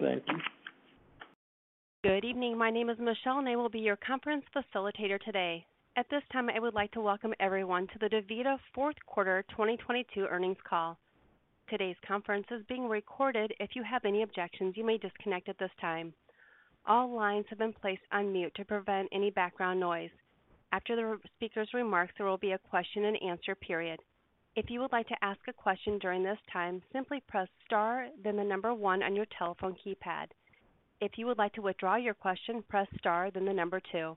Thank you. Good evening. My name is Michelle, and I will be your conference facilitator today. At this time, I would like to welcome everyone to the DaVita Fourth Quarter 2022 earnings call. Today's conference is being recorded. If you have any objections, you may disconnect at this time. All lines have been placed on mute to prevent any background noise. After the speaker's remarks, there will be a question-and-answer period. If you would like to ask a question during this time, simply press Star, then the 1 on your telephone keypad. If you would like to withdraw your question, press Star, then the two.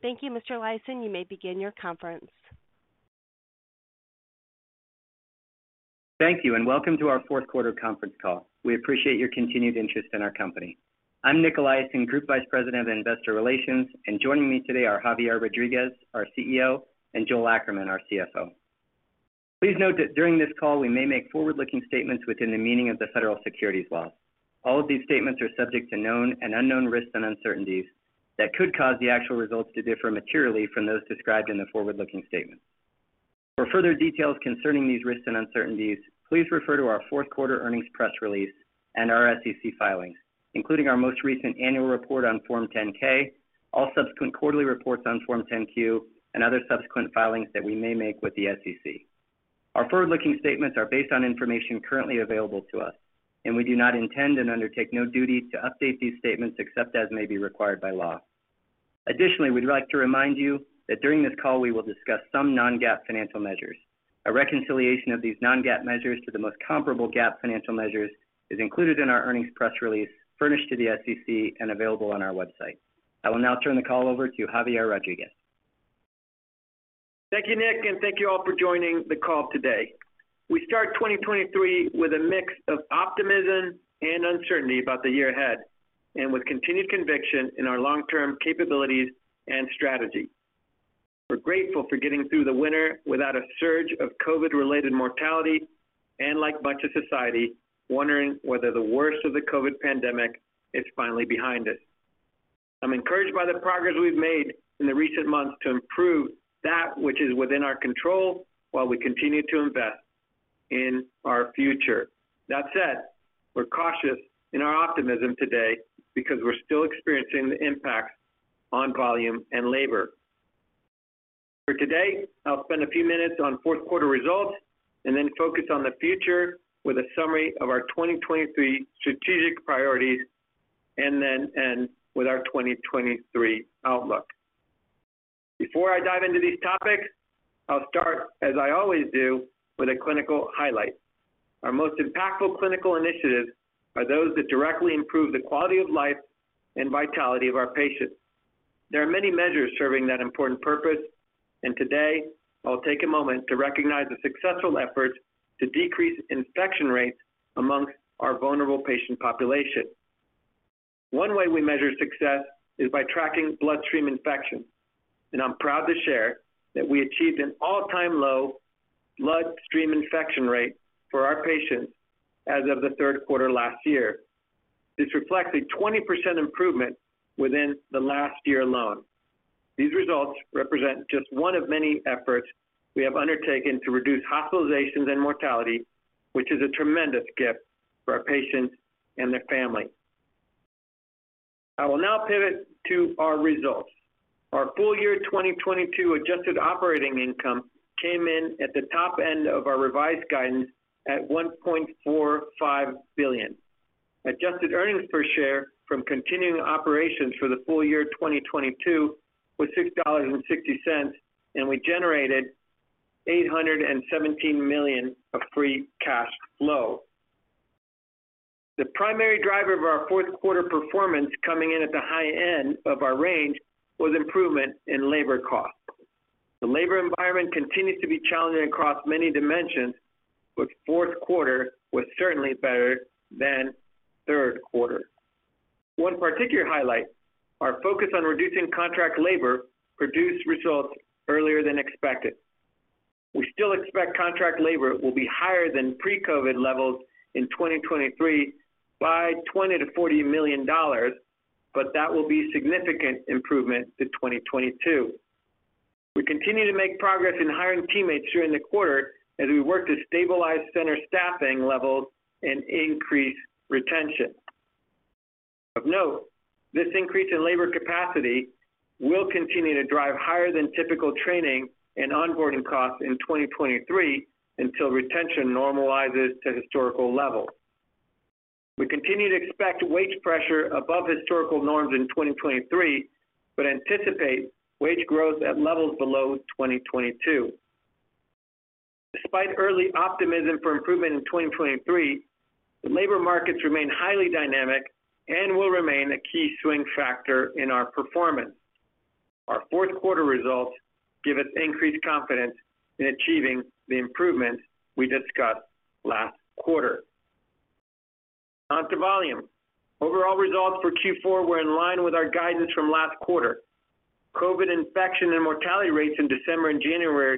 Thank you, Mr. Eliason. You may begin your conference. Thank you, welcome to our fourth quarter conference call. We appreciate your continued interest in our company. I'm Nic Eliason, Group Vice President of Investor Relations, and joining me today are Javier Rodriguez, our CEO, and Joel Ackerman, our CFO. Please note that during this call, we may make forward-looking statements within the meaning of the federal securities laws. All of these statements are subject to known and unknown risks and uncertainties that could cause the actual results to differ materially from those described in the forward-looking statements. For further details concerning these risks and uncertainties, please refer to our fourth quarter earnings press release and our SEC filings, including our most recent annual report on Form 10-K, all subsequent quarterly reports on Form 10-Q, and other subsequent filings that we may make with the SEC. Our forward-looking statements are based on information currently available to us, and we do not intend and undertake no duty to update these statements except as may be required by law. Additionally, we'd like to remind you that during this call, we will discuss some non-GAAP financial measures. A reconciliation of these non-GAAP measures to the most comparable GAAP financial measures is included in our earnings press release furnished to the SEC and available on our website. I will now turn the call over to Javier Rodriguez. Thank you, Nic, and thank you all for joining the call today. We start 2023 with a mix of optimism and uncertainty about the year ahead and with continued conviction in our long-term capabilities and strategy. We're grateful for getting through the winter without a surge of COVID-related mortality and, like much of society, wondering whether the worst of the COVID pandemic is finally behind us. I'm encouraged by the progress we've made in the recent months to improve that which is within our control while we continue to invest in our future. That said, we're cautious in our optimism today because we're still experiencing the impacts on volume and labor. For today, I'll spend a few minutes on fourth quarter results and then focus on the future with a summary of our 2023 strategic priorities and then end with our 2023 outlook. Before I dive into these topics, I'll start, as I always do, with a clinical highlight. Our most impactful clinical initiatives are those that directly improve the quality of life and vitality of our patients. There are many measures serving that important purpose. Today I'll take a moment to recognize the successful efforts to decrease infection rates amongst our vulnerable patient population. One way we measure success is by tracking bloodstream infections. I'm proud to share that we achieved an all-time low bloodstream infection rate for our patients as of the third quarter last year. This reflects a 20% improvement within the last year alone. These results represent just one of many efforts we have undertaken to reduce hospitalizations and mortality, which is a tremendous gift for our patients and their family. I will now pivot to our results. Our full year 2022 adjusted operating income came in at the top end of our revised guidance at $1.45 billion. Adjusted earnings per share from continuing operations for the full year 2022 was $6.60, and we generated $817 million of free cash flow. The primary driver of our fourth quarter performance coming in at the high end of our range was improvement in labor costs. The labor environment continues to be challenging across many dimensions, but fourth quarter was certainly better than third quarter. One particular highlight, our focus on reducing contract labor produced results earlier than expected. We still expect contract labor will be higher than pre-COVID levels in 2023 by $20 million-$40 million, but that will be significant improvement to 2022. We continue to make progress in hiring teammates during the quarter as we work to stabilize center staffing levels and increase retention. Of note, this increase in labor capacity will continue to drive higher than typical training and onboarding costs in 2023 until retention normalizes to historical levels. We continue to expect wage pressure above historical norms in 2023, but anticipate wage growth at levels below 2022. Despite early optimism for improvement in 2023, the labor markets remain highly dynamic and will remain a key swing factor in our performance. Our fourth quarter results give us increased confidence in achieving the improvements we discussed last quarter. On to volume. Overall results for Q4 were in line with our guidance from last quarter. COVID infection and mortality rates in December and January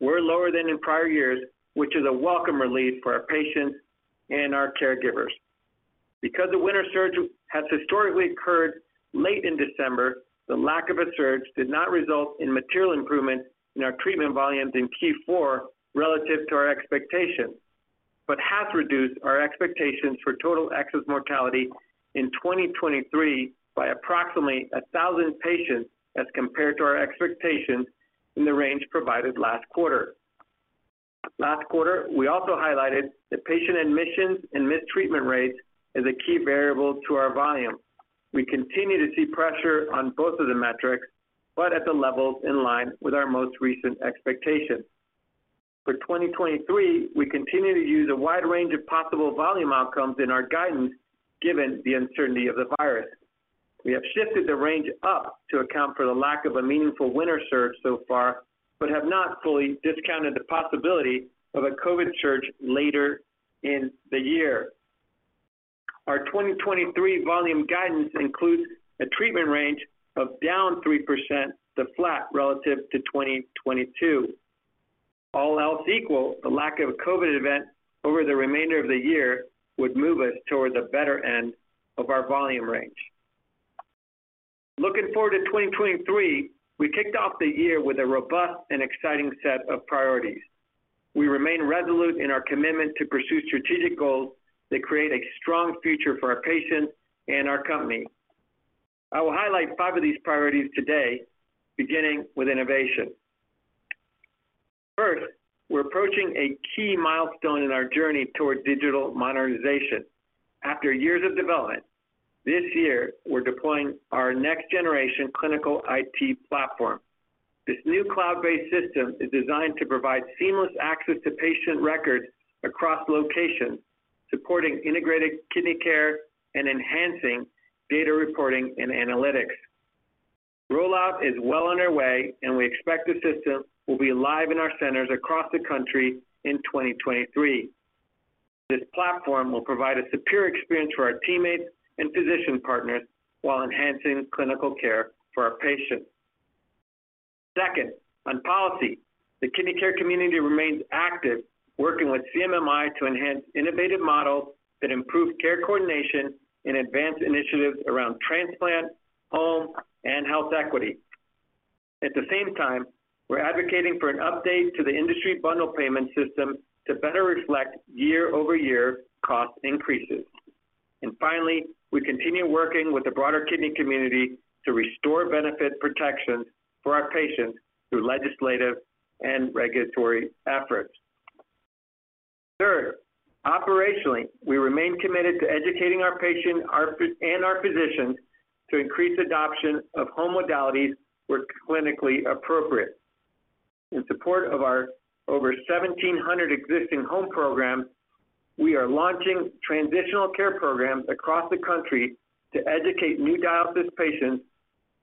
were lower than in prior years, which is a welcome relief for our patients and our caregivers. Because the winter surge Has historically occurred late in December, the lack of a surge did not result in material improvement in our treatment volumes in Q4 relative to our expectations, but has reduced our expectations for total excess mortality in 2023 by approximately 1,000 patients as compared to our expectations in the range provided last quarter. Last quarter, we also highlighted that patient admissions and missed treatment rates is a key variable to our volume. We continue to see pressure on both of the metrics, but at the levels in line with our most recent expectations. For 2023, we continue to use a wide range of possible volume outcomes in our guidance given the uncertainty of the virus. We have shifted the range up to account for the lack of a meaningful winter surge so far, but have not fully discounted the possibility of a Covid surge later in the year. Our 2023 volume guidance includes a treatment range of down 3% to flat relative to 2022. All else equal, the lack of a Covid event over the remainder of the year would move us toward the better end of our volume range. Looking forward to 2023, we kicked off the year with a robust and exciting set of priorities. We remain resolute in our commitment to pursue strategic goals that create a strong future for our patients and our company. I will highlight five of these priorities today, beginning with innovation. First, we're approaching a key milestone in our journey toward digital modernization. After years of development, this year we're deploying our next generation clinical IT platform. This new cloud-based system is designed to provide seamless access to patient records across locations, supporting integrated kidney care and enhancing data reporting and analytics. Rollout is well on their way, we expect the system will be live in our centers across the country in 2023. This platform will provide a superior experience for our teammates and physician partners while enhancing clinical care for our patients. Second, on policy, the kidney care community remains active, working with CMMI to enhance innovative models that improve care coordination and advance initiatives around transplant, home, and health equity. At the same time, we're advocating for an update to the industry bundle payment system to better reflect year-over-year cost increases. Finally, we continue working with the broader kidney community to restore benefit protections for our patients through legislative and regulatory efforts. Third, operationally, we remain committed to educating our patients and our physicians to increase adoption of home modalities where clinically appropriate. In support of our over 1,700 existing home programs, we are launching transitional care programs across the country to educate new dialysis patients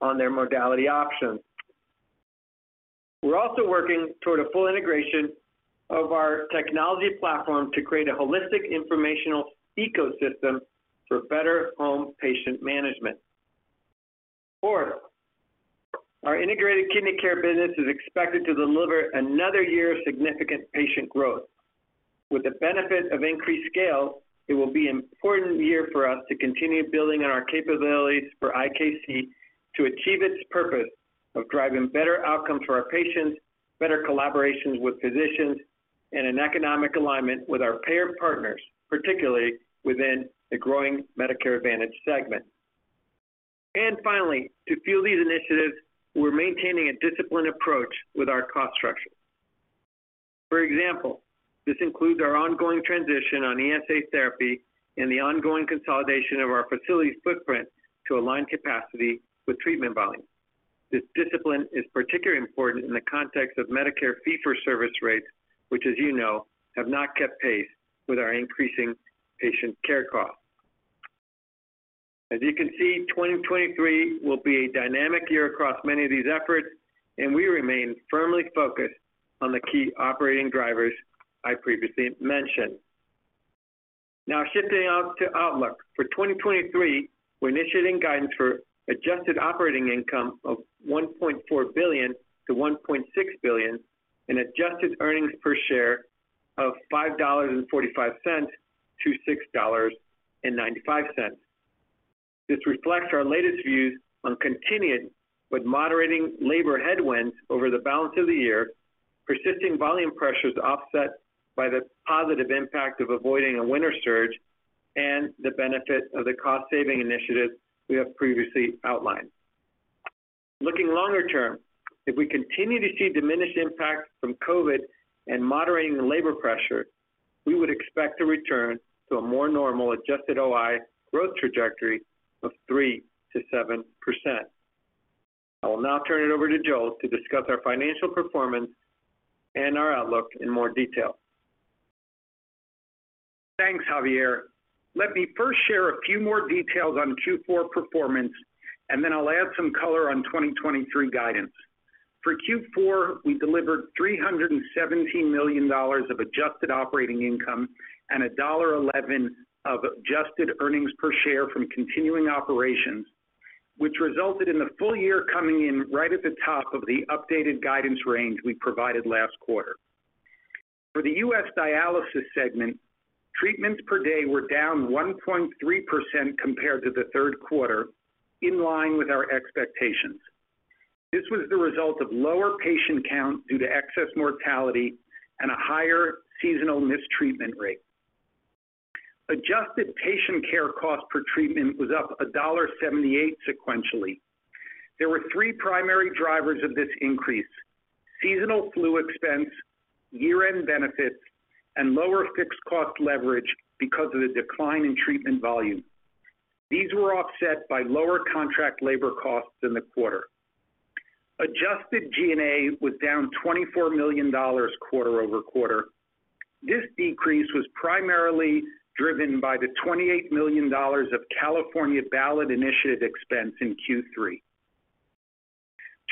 on their modality options. We're also working toward a full integration of our technology platform to create a holistic informational ecosystem for better home patient management. Fourth, our integrated kidney care business is expected to deliver another year of significant patient growth. With the benefit of increased scale, it will be important year for us to continue building on our capabilities for IKC to achieve its purpose of driving better outcomes for our patients, better collaborations with physicians, and an economic alignment with our payer partners, particularly within the growing Medicare Advantage segment. Finally, to fuel these initiatives, we're maintaining a disciplined approach with our cost structure. For example, this includes our ongoing transition on ESA therapy and the ongoing consolidation of our facilities footprint to align capacity with treatment volume. This discipline is particularly important in the context of Medicare fee-for-service rates, which, as you know, have not kept pace with our increasing patient care costs. As you can see, 2023 will be a dynamic year across many of these efforts, and we remain firmly focused on the key operating drivers I previously mentioned. Now shifting out to outlook. For 2023, we're initiating guidance for adjusted operating income of $1.4 billion-$1.6 billion and adjusted earnings per share of $5.45-$6.95. This reflects our latest views on continuing with moderating labor headwinds over the balance of the year, persisting volume pressures offset by the positive impact of avoiding a winter surge, and the benefit of the cost-saving initiatives we have previously outlined. Looking longer term, if we continue to see diminished impacts from COVID and moderating labor pressure, we would expect a return to a more normal adjusted OI growth trajectory of 3%-7%. I will now turn it over to Joel to discuss our financial performance and our outlook in more detail. Thanks, Javier. Let me first share a few more details on Q4 performance, and then I'll add some color on 2023 guidance. For Q4, we delivered $317 million of adjusted operating income and $1.11 of adjusted earnings per share from continuing operations, which resulted in the full year coming in right at the top of the updated guidance range we provided last quarter. For the US dialysis segment, treatments per day were down 1.3% compared to the third quarter, in line with our expectations. This was the result of lower patient count due to excess mortality and a higher seasonal mistreatment rate. Adjusted patient care cost per treatment was up $1.78 sequentially. There were three primary drivers of this increase: seasonal flu expense, year-end benefits, and lower fixed cost leverage because of the decline in treatment volume. These were offset by lower contract labor costs in the quarter. Adjusted G&A was down $24 million quarter-over-quarter. This decrease was primarily driven by the $28 million of California ballot initiative expense in Q3.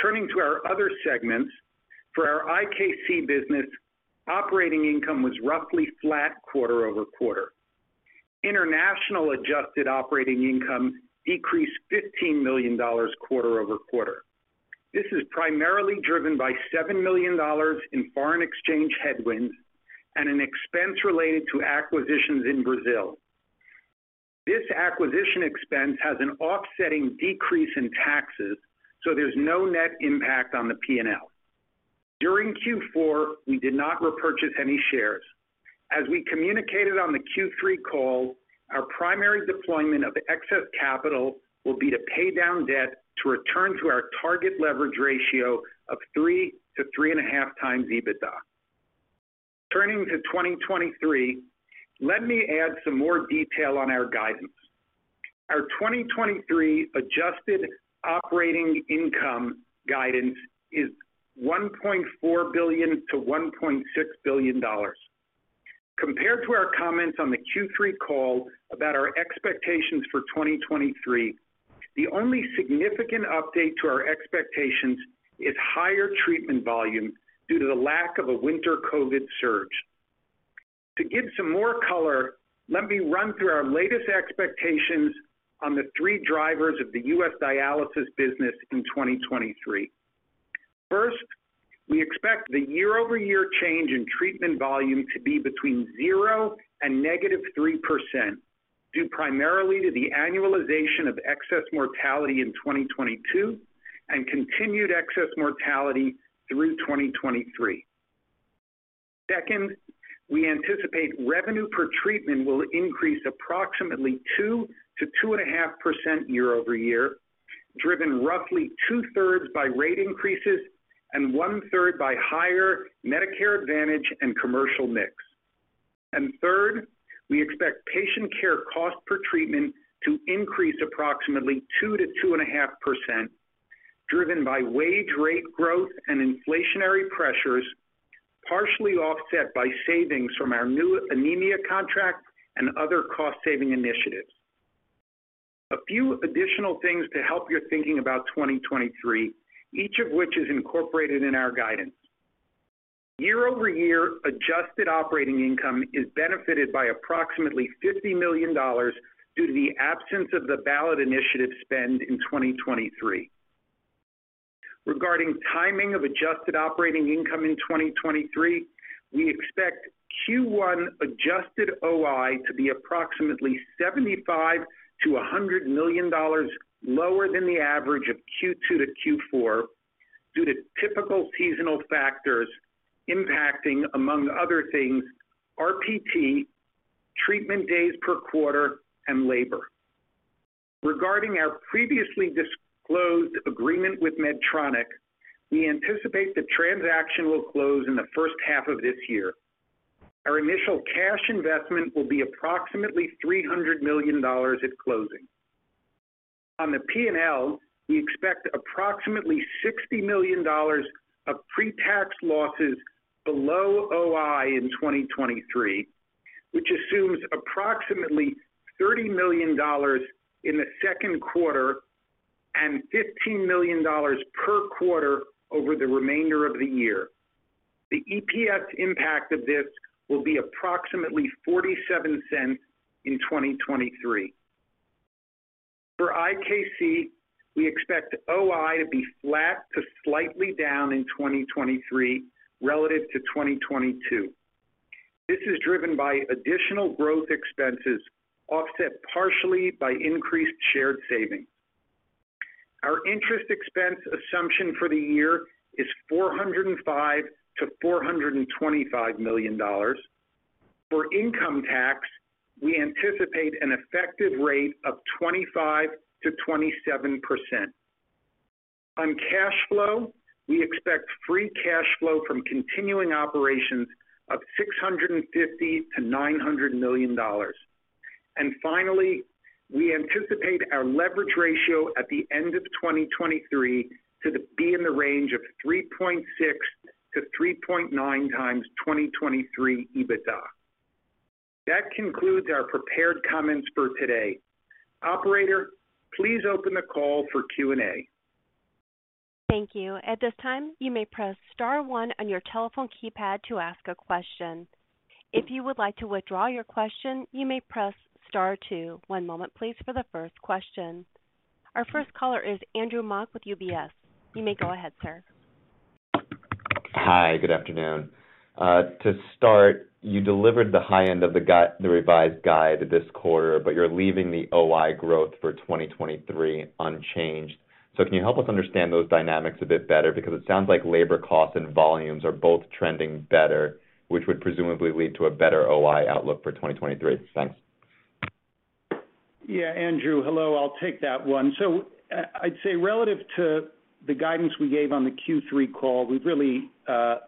Turning to our other segments. For our IKC business, operating income was roughly flat quarter-over-quarter. International adjusted operating income decreased $15 million quarter-over-quarter. This is primarily driven by $7 million in foreign exchange headwinds and an expense related to acquisitions in Brazil. This acquisition expense has an offsetting decrease in taxes, so there's no net impact on the P&L. During Q4, we did not repurchase any shares. As we communicated on the Q3 call, our primary deployment of excess capital will be to pay down debt to return to our target leverage ratio of 3 to 3.5 times EBITDA. Turning to 2023, let me add some more detail on our guidance. Our 2023 adjusted operating income guidance is $1.4 billion-$1.6 billion. Compared to our comments on the Q3 call about our expectations for 2023, the only significant update to our expectations is higher treatment volume due to the lack of a winter COVID surge. To give some more color, let me run through our latest expectations on the three drivers of the U.S. dialysis business in 2023. First, we expect the year-over-year change in treatment volume to be between 0% and negative 3%, due primarily to the annualization of excess mortality in 2022 and continued excess mortality through 2023. Second, we anticipate revenue per treatment will increase approximately 2% to 2.5% year-over-year, driven roughly 2/3 by rate increases and 1/3 by higher Medicare Advantage and commercial mix. Third, we expect patient care cost per treatment to increase approximately 2% to 2.5%, driven by wage rate growth and inflationary pressures, partially offset by savings from our new anemia contract and other cost-saving initiatives. A few additional things to help your thinking about 2023, each of which is incorporated in our guidance. Year-over-year adjusted operating income is benefited by approximately $50 million due to the absence of the ballot initiative spend in 2023. Regarding timing of adjusted operating income in 2023, we expect Q1 adjusted OI to be approximately $75 million-$100 million lower than the average of Q2 to Q4 due to typical seasonal factors impacting, among other things, RPT, treatment days per quarter, and labor. Regarding our previously disclosed agreement with Medtronic, we anticipate the transaction will close in the first half of this year. Our initial cash investment will be approximately $300 million at closing. On the P&L, we expect approximately $60 million of pre-tax losses below OI in 2023, which assumes approximately $30 million in the second quarter and $15 million per quarter over the remainder of the year. The EPS impact of this will be approximately $0.47 in 2023. For IKC, we expect OI to be flat to slightly down in 2023 relative to 2022. This is driven by additional growth expenses offset partially by increased shared savings. Our interest expense assumption for the year is $405 million-$425 million. For income tax, we anticipate an effective rate of 25%-27%. On cash flow, we expect free cash flow from continuing operations of $650 million-$900 million. Finally, we anticipate our leverage ratio at the end of 2023 to be in the range of 3.6x-3.9x 2023 EBITDA. That concludes our prepared comments for today. Operator, please open the call for Q&A. Thank you. At this time, you may press star one on your telephone keypad to ask a question. If you would like to withdraw your question, you may press star two. One moment please for the first question. Our first caller is Andrew Mok with UBS. You may go ahead, sir. Hi. Good afternoon. to start, you delivered the high end of the revised guide this quarter, you're leaving the OI growth for 2023 unchanged. Can you help us understand those dynamics a bit better? It sounds like labor costs and volumes are both trending better, which would presumably lead to a better OI outlook for 2023. Thanks. Andrew, hello. I'll take that one. I'd say relative to the guidance we gave on the Q3 call, we've really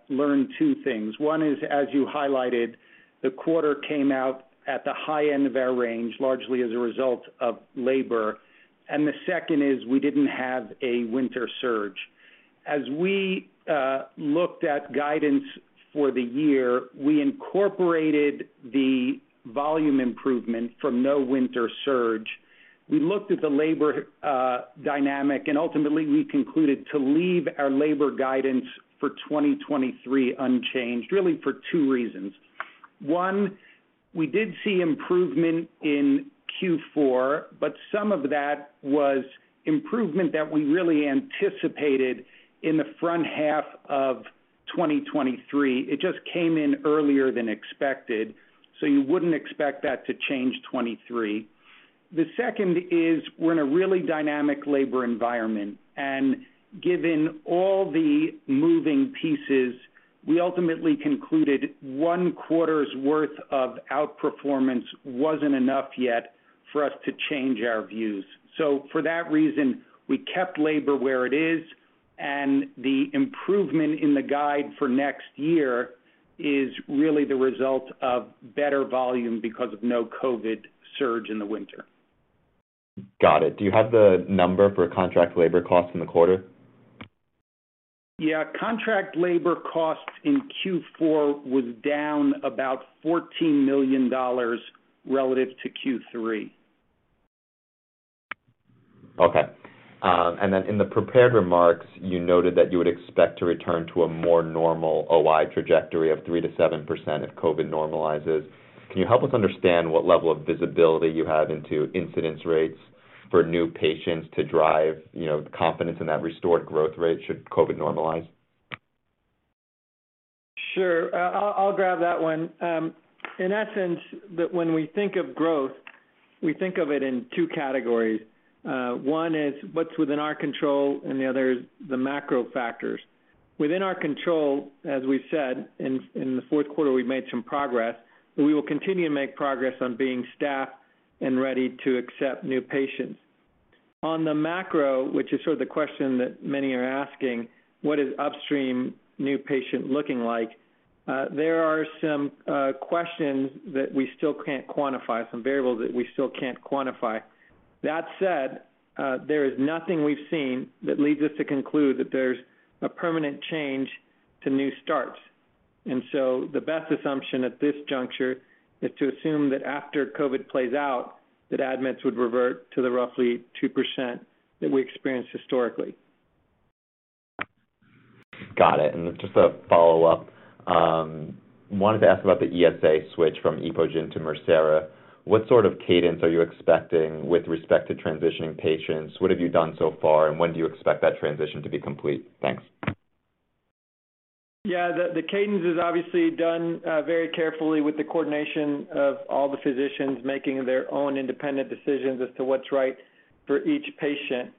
learned two things. One is, as you highlighted, the quarter came out at the high end of our range, largely as a result of labor. The second is we didn't have a winter surge. As we looked at guidance for the year, we incorporated the volume improvement from no winter surge. We looked at the labor dynamic, and ultimately, we concluded to leave our labor guidance for 2023 unchanged, really for two reasons. One, we did see improvement in Q4, but some of that was improvement that we really anticipated in the front half of 2023. It just came in earlier than expected, so you wouldn't expect that to change 2023. The second is we're in a really dynamic labor environment, and given all the moving pieces, we ultimately concluded one quarter's worth of outperformance wasn't enough yet for us to change our views. For that reason, we kept labor where it is, and the improvement in the guide for next year is really the result of better volume because of no COVID surge in the winter. Got it. Do you have the number for contract labor costs in the quarter? Yeah. Contract labor costs in Q4 was down about $14 million relative to Q3. Okay. In the prepared remarks, you noted that you would expect to return to a more normal OI trajectory of 3%-7% if COVID normalizes. Can you help us understand what level of visibility you have into incidence rates for new patients to drive, you know, confidence in that restored growth rate should COVID normalize? Sure. I'll grab that one. In essence, when we think of growth, we think of it in two categories. One is what's within our control. The other is the macro factors. Within our control, as we've said, in the fourth quarter, we've made some progress. We will continue to make progress on being staffed and ready to accept new patients. On the macro, which is sort of the question that many are asking, what is upstream new patient looking like? There are some questions that we still can't quantify, some variables that we still can't quantify. That said, there is nothing we've seen that leads us to conclude that there's a permanent change to new starts. The best assumption at this juncture is to assume that after COVID plays out, that admits would revert to the roughly 2% that we experienced historically. Got it. Just a follow-up. Wanted to ask about the ESA switch from EPOGEN to MIRCERA. What sort of cadence are you expecting with respect to transitioning patients? What have you done so far, and when do you expect that transition to be complete? Thanks. Yeah. The cadence is obviously done, very carefully with the coordination of all the physicians making their own independent decisions as to what's right for each patient.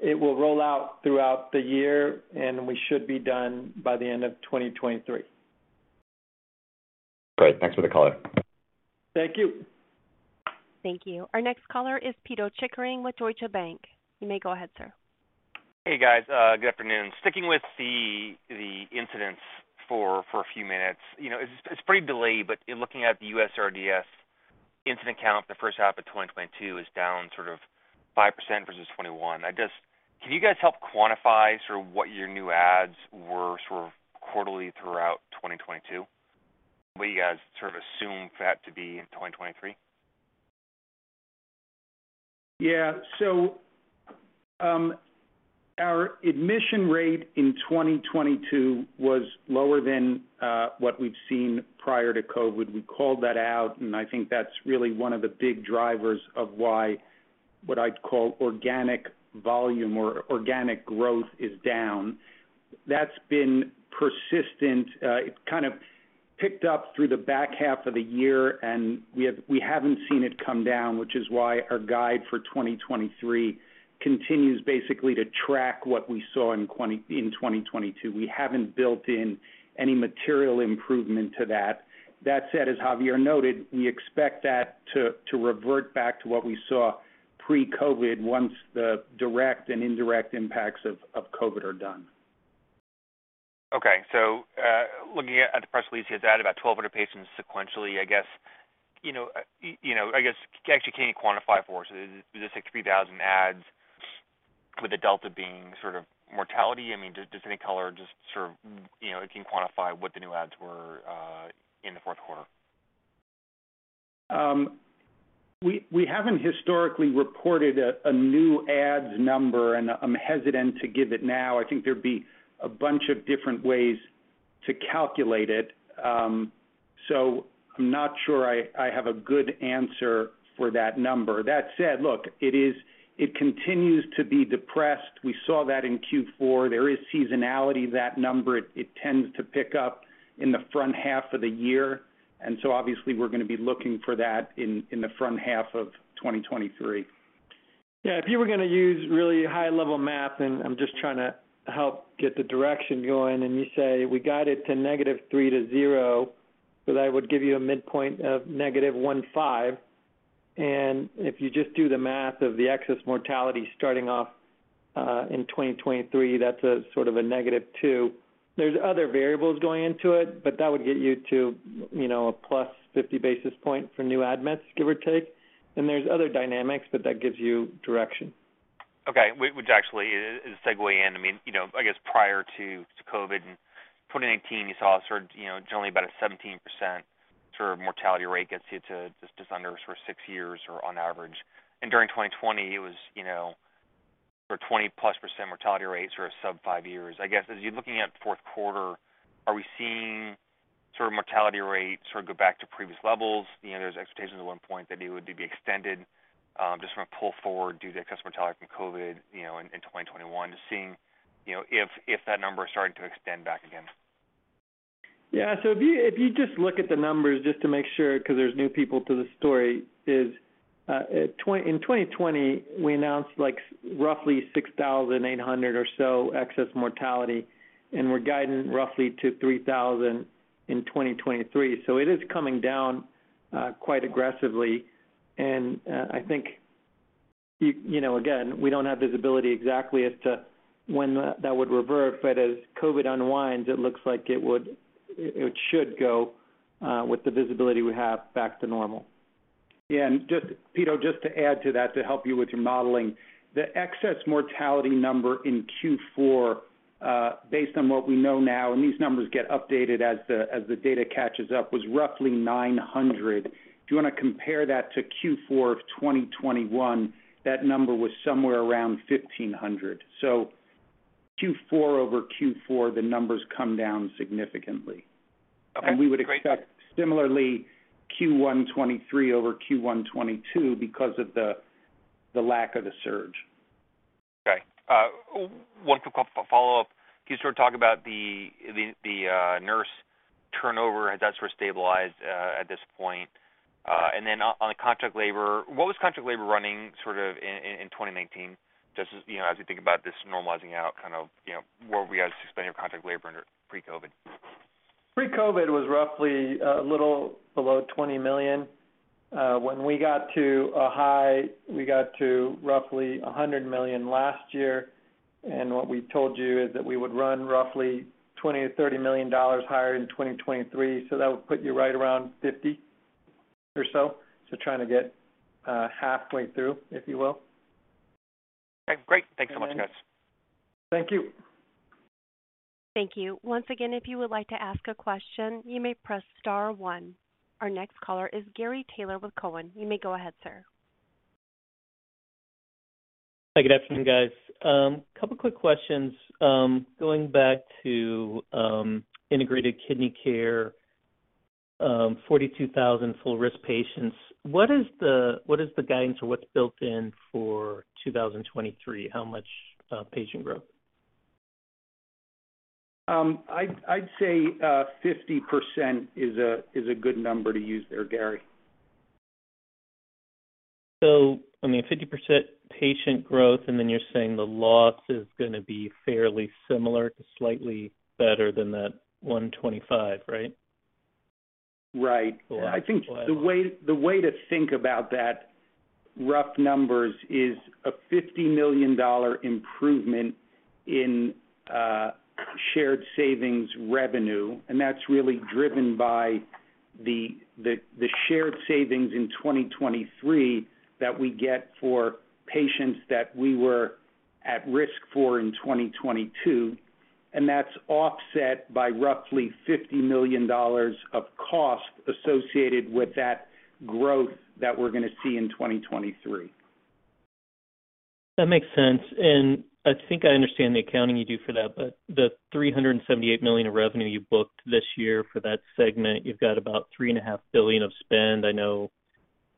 It will roll out throughout the year, and we should be done by the end of 2023. Great. Thanks for the color. Thank you. Thank you. Our next caller is Pito Chickering with Deutsche Bank. You may go ahead, sir. Hey, guys. good afternoon. Sticking with the incidents for a few minutes. You know, it's pretty delayed, but in looking at the USRDS incident count, the first half of 2022 is down sort of 5% versus 2021. Can you guys help quantify sort of what your new adds were sort of quarterly throughout 2022? What do you guys sort of assume for that to be in 2023? Our admission rate in 2022 was lower than what we've seen prior to COVID. We called that out, I think that's really one of the big drivers of why, what I'd call organic volume or organic growth is down. That's been persistent. It kind of picked up through the back half of the year, we haven't seen it come down, which is why our guide for 2023 continues basically to track what we saw in 2022. We haven't built in any material improvement to that. That said, as Javier noted, we expect that to revert back to what we saw pre-COVID once the direct and indirect impacts of COVID are done. Okay. Looking at the press release, you had added about 1,200 patients sequentially. I guess, you know, I guess actually can you quantify for us, is it 6,000 adds, with the delta being sort of mortality? I mean, does any color just sort of, you know, can quantify what the new adds were in the fourth quarter? We haven't historically reported a new adds number, and I'm hesitant to give it now. I think there'd be a bunch of different ways to calculate it. I'm not sure I have a good answer for that number. That said, look, it continues to be depressed. We saw that in Q4. There is seasonality to that number. It tends to pick up in the front half of the year. Obviously we're gonna be looking for that in the front half of 2023. Yeah. If you were gonna use really high-level math, and I'm just trying to help get the direction going, and you say we got it to -3 to 0, so that would give you a midpoint of -1.5. If you just do the math of the excess mortality starting off, in 2023, that's a sort of a -2. There's other variables going into it, but that would get you to, you know, a +50 basis point for new admits, give or take. There's other dynamics, but that gives you direction. Actually is a segue in. I mean, you know, I guess prior to COVID, in 2019 you saw, you know, generally about a 17% mortality rate gets you to just under six years or on average. During 2020 it was, you know, 20%+ mortality rate, sub five years. I guess, as you're looking at fourth quarter, are we seeing mortality rates go back to previous levels? You know, there's expectations at one point that it would be extended, just from a pull forward due to excess mortality from COVID, you know, in 2021. Just seeing, you know, if that number is starting to extend back again. Yeah. If you, if you just look at the numbers just to make sure, 'cause there's new people to the story, is in 2020 we announced like roughly 6,800 or so excess mortality, and we're guiding roughly to 3,000 in 2023. It is coming down quite aggressively. I think, you know, again, we don't have visibility exactly as to when that would revert, but as COVID unwinds, it looks like it would. It should go with the visibility we have back to normal. Yeah. Peter, just to add to that to help you with your modeling, the excess mortality number in Q4, based on what we know now, and these numbers get updated as the data catches up, was roughly 900. If you wanna compare that to Q4 of 2021, that number was somewhere around 1,500. Q4 over Q4, the numbers come down significantly. Okay. Great. we would expect similarly Q1 2023 over Q1 2022 because of the lack of the surge. Okay. One quick follow-up. Can you sort of talk about the nurse turnover? Has that sort of stabilized at this point? On the contract labor, what was contract labor running sort of in 2019, just as, you know, as we think about this normalizing out kind of, you know, where we are suspending contract labor under pre-COVID? Pre-COVID was roughly a little below $20 million. When we got to a high, we got to roughly $100 million last year, what we told you is that we would run roughly $20 million-$30 million higher in 2023, that would put you right around $50 or so. Trying to get halfway through, if you will. Okay, great. Thanks so much, guys. Thank you. Thank you. Once again, if you would like to ask a question, you may press star one. Our next caller is Gary Taylor with Cowen. You may go ahead, sir. Hi, good afternoon, guys. A couple quick questions. Going back to Integrated Kidney Care, 42,000 full risk patients, what is the guidance or what's built in for 2023? How much patient growth? I'd say 50% is a good number to use there, Gary. I mean, 50% patient growth, and then you're saying the loss is gonna be fairly similar to slightly better than that $125, right? Right. I think the way to think about that rough numbers is a $50 million improvement in shared savings revenue, and that's really driven by the shared savings in 2023 that we get for patients that we were at risk for in 2022, and that's offset by roughly $50 million of cost associated with that growth that we're gonna see in 2023. That makes sense. I think I understand the accounting you do for that, the $378 million of revenue you booked this year for that segment, you've got about $3.5 billion of spend. I know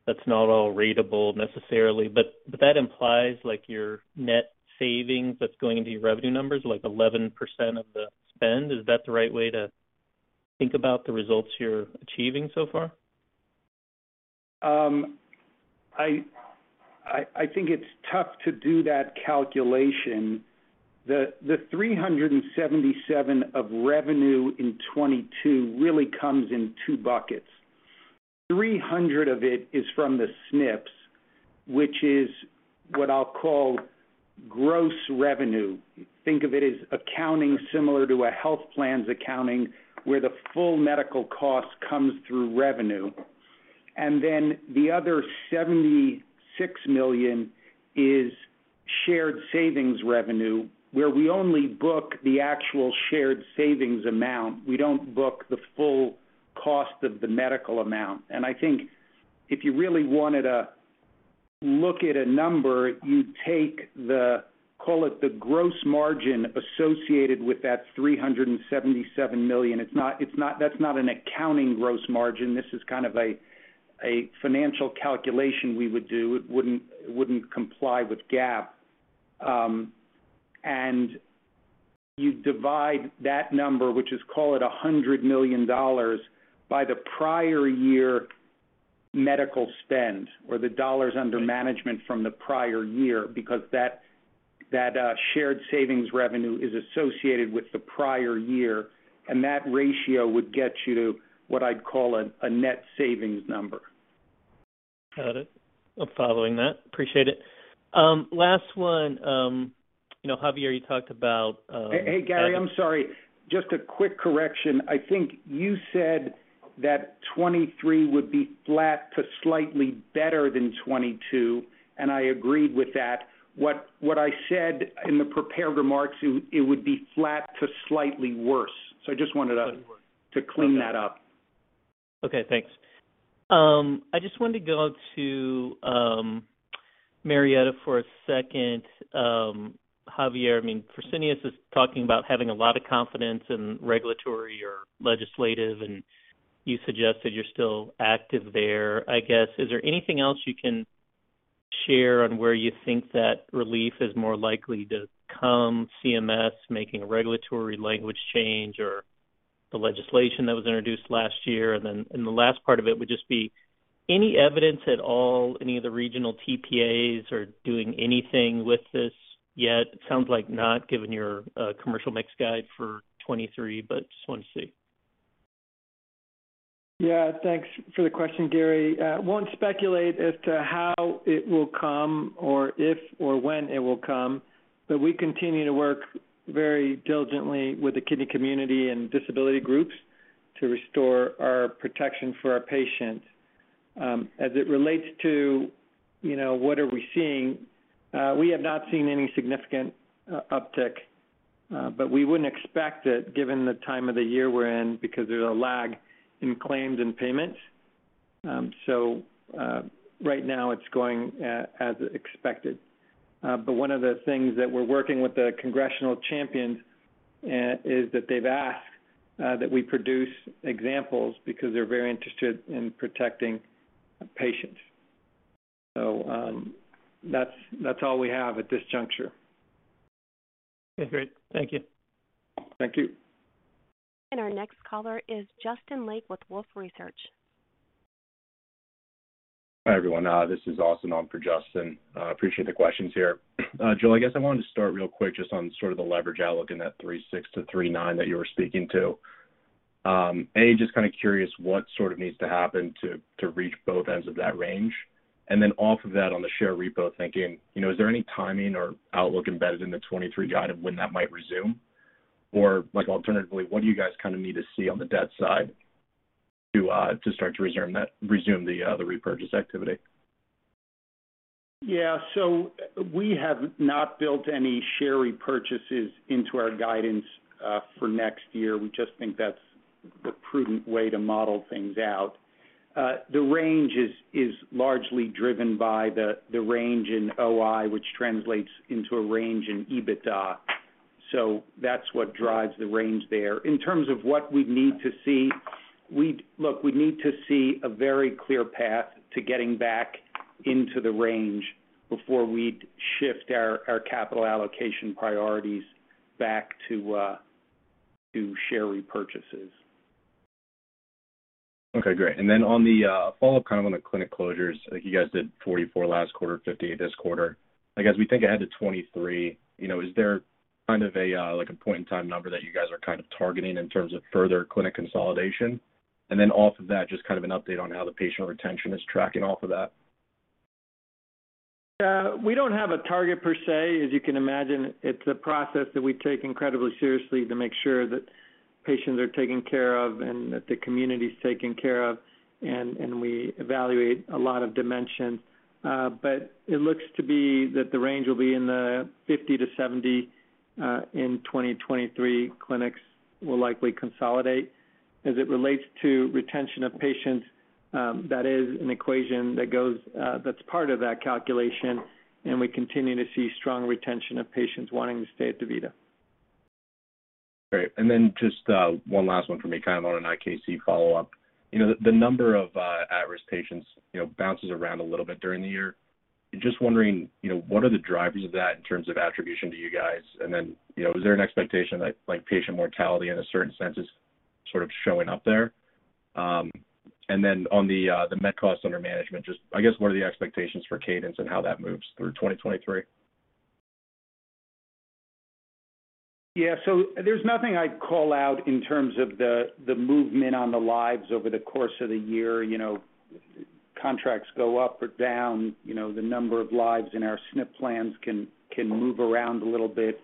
that's not all ratable necessarily, but that implies like your net savings that's going into your revenue numbers, like 11% of the spend. Is that the right way to think about the results you're achieving so far? I think it's tough to do that calculation. The $377 million of revenue in 2022 really comes in two buckets. $300 million of it is from the SNPs, which is what I'll call gross revenue. Think of it as accounting similar to a health plan's accounting, where the full medical cost comes through revenue. The other $76 million is shared savings revenue, where we only book the actual shared savings amount, we don't book the full cost of the medical amount. I think if you really wanted to look at a number, you'd take the, call it the gross margin associated with that $377 million. It's not. That's not an accounting gross margin. This is kind of a financial calculation we would do. It wouldn't comply with GAAP. You divide that number, which is, call it $100 million by the prior year medical spend or the dollars under management from the prior year, because that shared savings revenue is associated with the prior year, and that ratio would get you to what I'd call a net savings number. Got it. I'm following that. Appreciate it. last one. you know, Javier, you talked about. Hey, Gary, I'm sorry. Just a quick correction. I think you said that 2023 would be flat to slightly better than 2023, and I agreed with that. What I said in the prepared remarks, it would be flat to slightly worse. I just wanted to. Slightly worse. to clean that up. Okay, thanks. I just wanted to go to Marietta for a second. Javier, I mean, Fresenius is talking about having a lot of confidence in regulatory or legislative, and you suggested you're still active there. I guess, is there anything else you can share on where you think that relief is more likely to come, CMS making a regulatory language change or the legislation that was introduced last year? The last part of it would just be any evidence at all, any of the regional TPAs are doing anything with this yet? It sounds like not, given your commercial mix guide for 2023, but just wanted to see. Thanks for the question, Gary. Won't speculate as to how it will come or if or when it will come, but we continue to work very diligently with the kidney community and disability groups to restore our protection for our patients. As it relates to, you know, what are we seeing, we have not seen any significant uptick, but we wouldn't expect it given the time of the year we're in because there's a lag in claims and payments. Right now it's going as expected. One of the things that we're working with the congressional champions, is that they've asked that we produce examples because they're very interested in protecting patients. That's, that's all we have at this juncture. Okay, great. Thank you. Thank you. Our next caller is Justin Lake with Wolfe Research. Hi, everyone. This is Austin on for Justin. Appreciate the questions here. Joel, I guess I wanted to start real quick just on sort of the leverage outlook in that 3.6-3.9 that you were speaking to. A, just kind of curious what sort of needs to happen to reach both ends of that range. Off of that on the share repo thinking, you know, is there any timing or outlook embedded in the 2023 guide of when that might resume? Like alternatively, what do you guys kind of need to see on the debt side to start to resume the repurchase activity? We have not built any share repurchases into our guidance for next year. We just think that's the prudent way to model things out. The range is largely driven by the range in OI, which translates into a range in EBITDA. That's what drives the range there. In terms of what we'd need to see, look, we'd need to see a very clear path to getting back into the range before we'd shift our capital allocation priorities back to share repurchases. Okay, great. On the follow-up kind of on the clinic closures, you guys did 44 last quarter, 58 this quarter. I guess we think ahead to 2023, you know, is there kind of a like a point in time number that you guys are kind of targeting in terms of further clinic consolidation? Off of that, just kind of an update on how the patient retention is tracking off of that. Yeah. We don't have a target per se. As you can imagine, it's a process that we take incredibly seriously to make sure that patients are taken care of and that the community is taken care of, and we evaluate a lot of dimensions. It looks to be that the range will be in the 50-70 in 2023 clinics will likely consolidate. As it relates to retention of patients, that is an equation that goes, that's part of that calculation, and we continue to see strong retention of patients wanting to stay at DaVita. Great. Just one last one for me, kind of on an IKC follow-up. You know, the number of at-risk patients, you know, bounces around a little bit during the year. Just wondering, you know, what are the drivers of that in terms of attribution to you guys? Is there an expectation that like patient mortality in a certain sense is sort of showing up there? On the med cost under management, just I guess, what are the expectations for cadence and how that moves through 2023? There's nothing I'd call out in terms of the movement on the lives over the course of the year. You know, contracts go up or down. You know, the number of lives in our SNF plans can move around a little bit.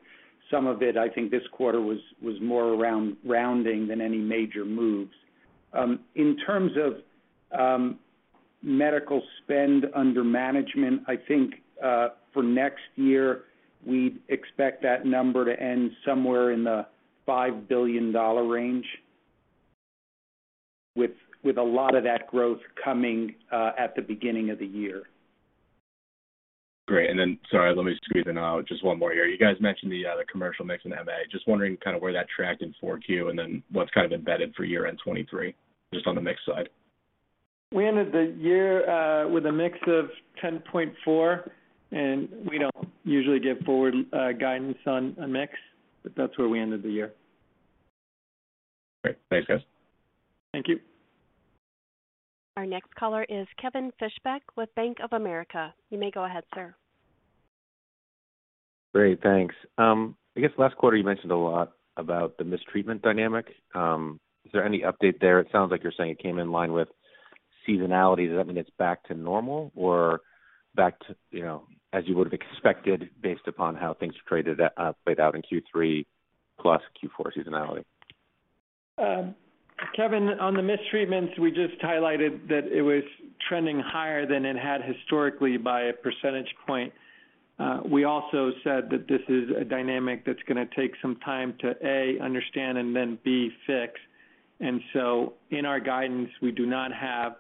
Some of it, I think this quarter was more around rounding than any major moves. In terms of, Medical spend under management, I think, for next year, we expect that number to end somewhere in the $5 billion range with a lot of that growth coming, at the beginning of the year. Great. Sorry, let me squeeze in, just one more here. You guys mentioned the commercial mix in MA. Just wondering kinda where that tracked in 4Q and then what's kind of embedded for year-end 2023, just on the mix side. We ended the year, with a mix of 10.4, and we don't usually give forward, guidance on a mix, but that's where we ended the year. Great. Thanks, guys. Thank you. Our next caller is Kevin Fischbeck with Bank of America. You may go ahead, sir. Great. Thanks. I guess last quarter you mentioned a lot about the mistreatment dynamic. Is there any update there? It sounds like you're saying it came in line with seasonality. Does that mean it's back to normal or back to, you know, as you would have expected based upon how things played out in Q3 plus Q4 seasonality? Kevin, on the mistreatments, we just highlighted that it was trending higher than it had historically by a percentage point. We also said that this is a dynamic that's gonna take some time to, A, understand, and then, B, fix. In our guidance, we do not have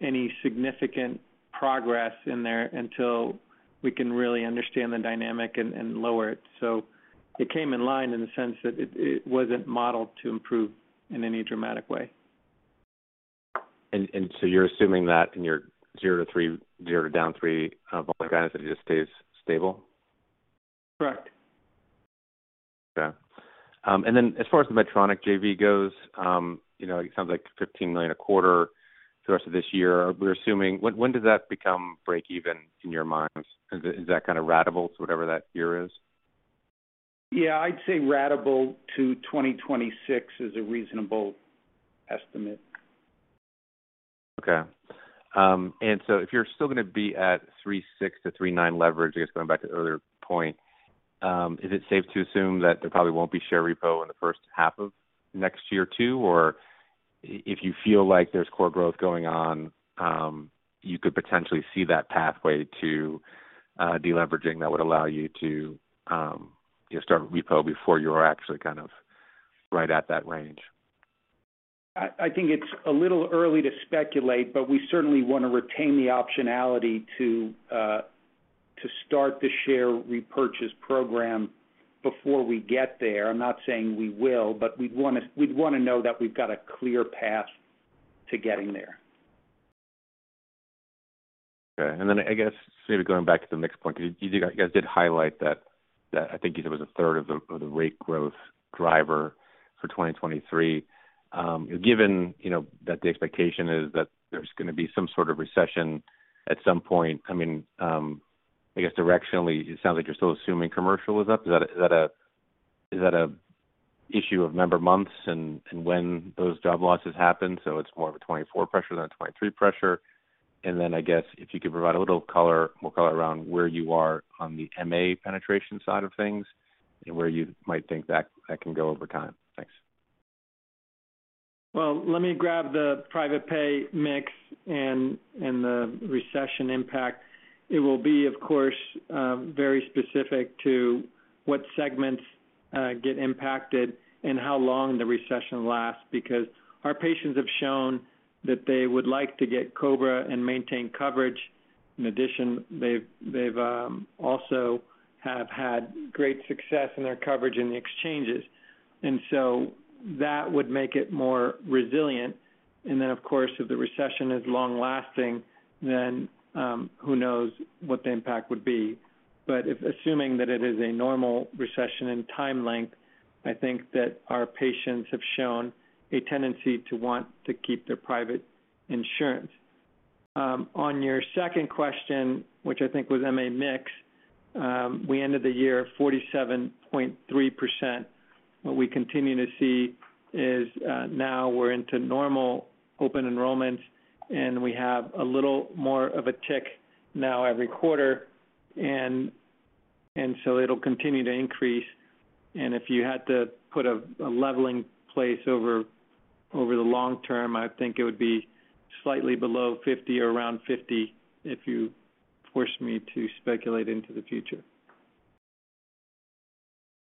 any significant progress in there until we can really understand the dynamic and lower it. It came in line in the sense that it wasn't modeled to improve in any dramatic way. You're assuming that in your 0% to -3% volume guidance, that it just stays stable? Correct. Okay. As far as the Medtronic JV goes, you know, it sounds like $15 million a quarter through the rest of this year. We're assuming... When does that become break even in your minds? Is that kind of ratable to whatever that year is? Yeah, I'd say ratable to 2026 is a reasonable estimate. Okay. If you're still gonna be at 3.6-3.9 leverage, I guess going back to the earlier point, is it safe to assume that there probably won't be share repo in the first half of next year too? If you feel like there's core growth going on, you could potentially see that pathway to deleveraging that would allow you to, you know, start repo before you're actually kind of right at that range. I think it's a little early to speculate, but we certainly wanna retain the optionality to start the share repurchase program before we get there. I'm not saying we will, but we'd wanna know that we've got a clear path to getting there. Okay. I guess maybe going back to the mix point, 'cause you guys did highlight that I think you said was a third of the, of the rate growth driver for 2023. Given, you know, that the expectation is that there's going to be some sort of recession at some point, I guess directionally, it sounds like you're still assuming commercial is up. Is that a issue of member months and when those job losses happen, so it's more of a 2024 pressure than a 2023 pressure? I guess if you could provide a little color, more color around where you are on the MA penetration side of things and where you might think that can go over time. Thanks. Well, let me grab the private pay mix and the recession impact. It will be, of course, very specific to what segments get impacted and how long the recession lasts because our patients have shown that they would like to get COBRA and maintain coverage. In addition, they've also have had great success in their coverage in the exchanges. That would make it more resilient. Then, of course, if the recession is long-lasting, then who knows what the impact would be. If assuming that it is a normal recession in time length, I think that our patients have shown a tendency to want to keep their private insurance. On your second question, which I think was MA mix, we ended the year 47.3%. What we continue to see is, now we're into normal open enrollments, and we have a little more of a tick now every quarter, and so it'll continue to increase. If you had to put a leveling place over the long term, I think it would be slightly below 50 or around 50 if you forced me to speculate into the future.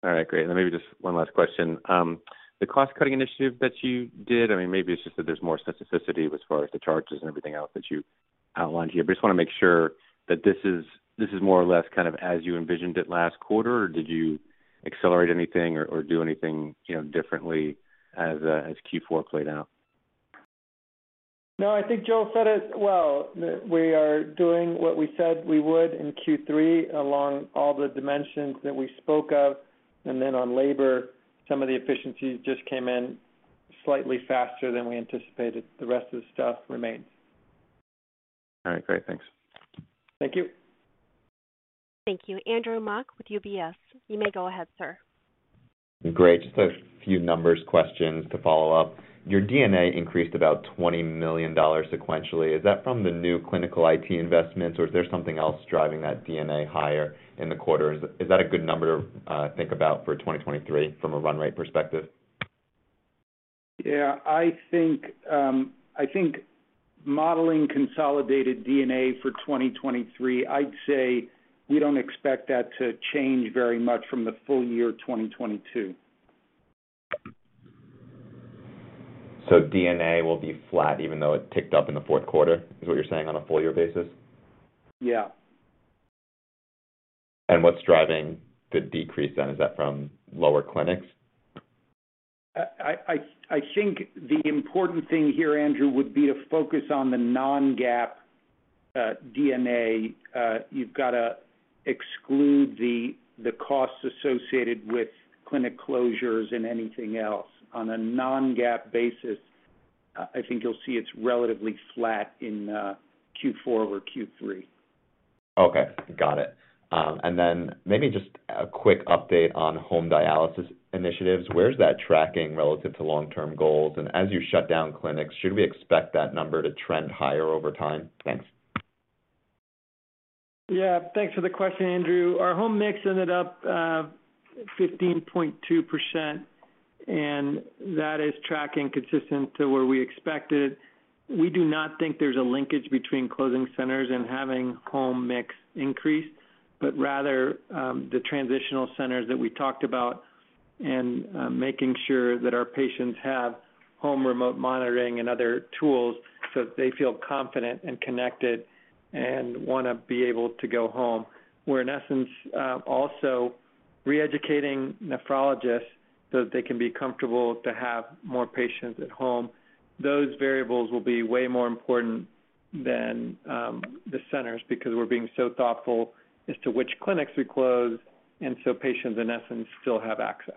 All right, great. Maybe just one last question. The cost-cutting initiative that you did, I mean, maybe it's just that there's more specificity as far as the charges and everything else that you outlined here. Just wanna make sure that this is, this is more or less kind of as you envisioned it last quarter or did you accelerate anything or do anything, you know, differently as Q4 played out? No, I think Joel said it well, that we are doing what we said we would in Q3 along all the dimensions that we spoke of. On labor, some of the efficiencies just came in slightly faster than we anticipated. The rest of the stuff remains. All right, great. Thanks. Thank you. Thank you. Andrew Mok with UBS. You may go ahead, sir. Great. Just a few numbers questions to follow up. Your D&A increased about $20 million sequentially. Is that from the new clinical IT investments or is there something else driving that D&A higher in the quarter? Is that a good number to think about for 2023 from a run rate perspective? I think modeling consolidated D&A for 2023, I'd say we don't expect that to change very much from the full year 2022. D&A will be flat even though it ticked up in the fourth quarter, is what you're saying, on a full year basis? Yeah. What's driving the decrease then? Is that from lower clinics? I think the important thing here, Andrew, would be to focus on the non-GAAP D&A. You've gotta exclude the costs associated with clinic closures and anything else. On a non-GAAP basis, I think you'll see it's relatively flat in Q4 over Q3. Okay, got it. Maybe just a quick update on home dialysis initiatives. Where's that tracking relative to long-term goals? As you shut down clinics, should we expect that number to trend higher over time? Thanks. Yeah. Thanks for the question, Andrew. Our home mix ended up 15.2%, that is tracking consistent to where we expected. We do not think there's a linkage between closing centers and having home mix increase, but rather, the transitional centers that we talked about and, making sure that our patients have home remote monitoring and other tools so that they feel confident and connected and wanna be able to go home. We're, in essence, also re-educating nephrologists so that they can be comfortable to have more patients at home. Those variables will be way more important than the centers, because we're being so thoughtful as to which clinics we close, patients, in essence, still have access.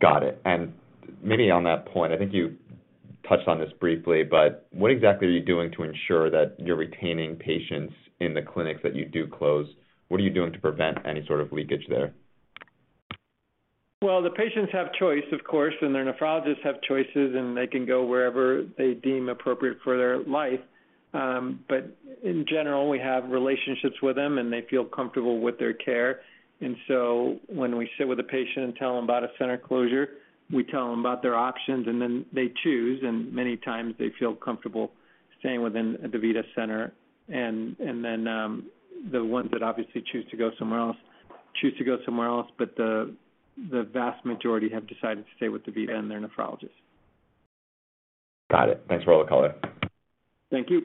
Got it. Maybe on that point, I think you touched on this briefly, but what exactly are you doing to ensure that you're retaining patients in the clinics that you do close? What are you doing to prevent any sort of leakage there? Well, the patients have choice, of course, and their nephrologists have choices, and they can go wherever they deem appropriate for their life. In general, we have relationships with them and they feel comfortable with their care. When we sit with a patient and tell them about a center closure, we tell them about their options and then they choose, and many times they feel comfortable staying within a DaVita center. The ones that obviously choose to go somewhere else choose to go somewhere else, but the vast majority have decided to stay with DaVita and their nephrologist. Got it. Thanks for all the color. Thank you.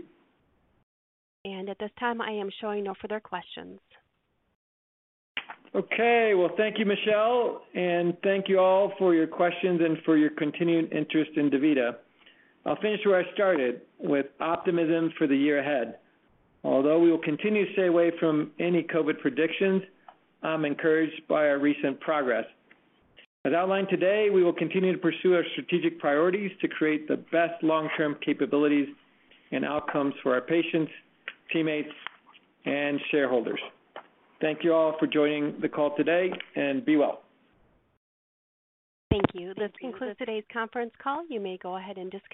At this time, I am showing no further questions. Okay. Well, thank you, Michelle. Thank you all for your questions and for your continued interest in DaVita. I'll finish where I started, with optimism for the year ahead. Although we will continue to stay away from any COVID predictions, I'm encouraged by our recent progress. As outlined today, we will continue to pursue our strategic priorities to create the best long-term capabilities and outcomes for our patients, teammates, and shareholders. Thank you all for joining the call today and be well. Thank you. This concludes today's conference call. You may go ahead and disconnect.